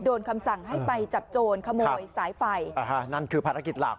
คำสั่งให้ไปจับโจรขโมยสายไฟอ่าฮะนั่นคือภารกิจหลัก